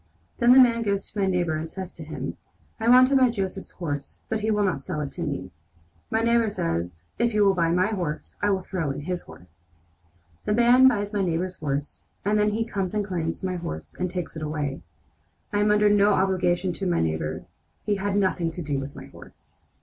Then the man goes to my neighbor and says to him: 'I want to buy Joseph's horse, but he would not sell it to me.' My neighbor says: 'If you will buy my horse, I will throw in his horse!' The man buys my neighbor's horse, and then he comes and claims my horse and takes it away. I am under no obligation to my neighbor. He had nothing to do with my horse."